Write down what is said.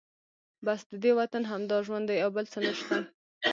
بس ددې وطن همدا ژوند دی او بل څه نشته.